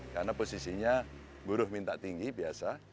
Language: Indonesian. karena posisinya buruh minta tinggi biasa